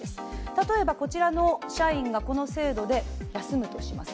例えば、社員がこの制度で休むとします。